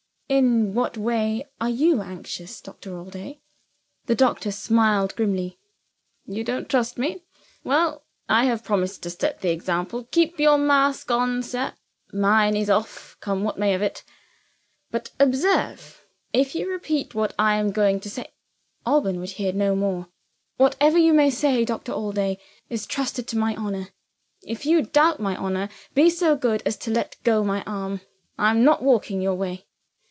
"In what way are you anxious, Doctor Allday?" The doctor smiled grimly. "You don't trust me? Well, I have promised to set the example. Keep your mask on, sir mine is off, come what may of it. But, observe: if you repeat what I am going to say " Alban would hear no more. "Whatever you may say, Doctor Allday, is trusted to my honor. If you doubt my honor, be so good as to let go my arm I am not walking your way."